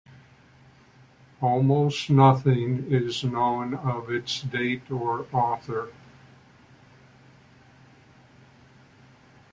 Almost nothing is known of its date or author.